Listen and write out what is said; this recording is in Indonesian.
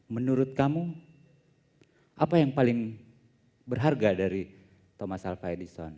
menurut kamu apa yang paling berharga dari thomas alva edison